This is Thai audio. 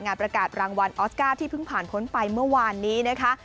ประกาศรางวัลออสการ์ที่เพิ่งผ่านพ้นไปเมื่อวานนี้นะคะ